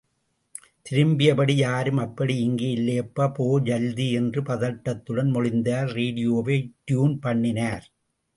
திரும்பியபடி, யாரும் அப்படி இங்கே இல்லேப்பா... போ.... ஜல்தி! என்று பதட்டத்துடன் மொழிந்தார் ரேடியோவை டியூன் பண்ணினார்.